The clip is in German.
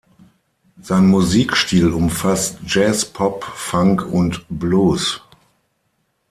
Sein Musikstil umfasst Jazz, Pop, Funk und Blues.